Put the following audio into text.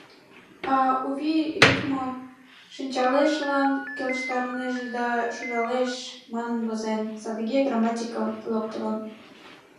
А У вий рифмым «шинчалеш»-лан келыштарынеже да «шужалеш» манын возен, садыге грамматикым локтылын.